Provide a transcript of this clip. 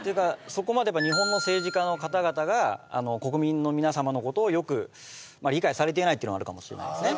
そこまで日本の政治家の方々が国民のみなさまのことをよく理解されていないっていうのがあるかもしれないですね